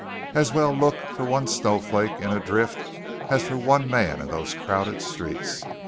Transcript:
As well look for one snowflake in a drift as for one man in those crowded streets!